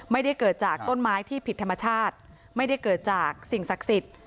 ไม่ได้เกิดจากต้นไม้ที่ผิดธรรมชาติไม่ได้เกิดจากสิ่งศักดิ์สิทธิ์